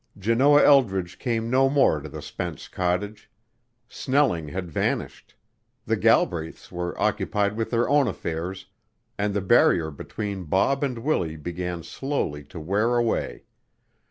Janoah Eldridge came no more to the Spence cottage; Snelling had vanished; the Galbraiths were occupied with their own affairs; and the barrier between Bob and Willie began slowly to wear away.